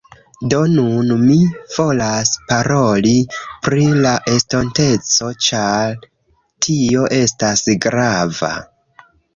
Do, nun mi volas paroli pri la estonteco ĉar tio estas grava